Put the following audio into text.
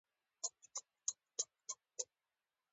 ازادي راډیو د د اوبو منابع په اړه د خلکو پوهاوی زیات کړی.